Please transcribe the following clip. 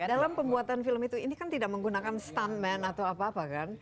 dalam pembuatan film itu ini kan tidak menggunakan stuntman atau apa apa kan